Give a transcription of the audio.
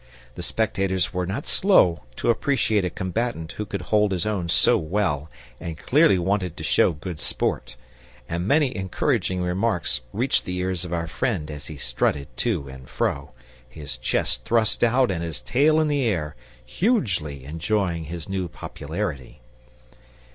The spectators were not slow to appreciate a combatant who could hold his own so well and clearly wanted to show good sport, and many encouraging remarks reached the ears of our friend as he strutted to and fro, his chest thrust out and his tail in the air, hugely enjoying his new popularity.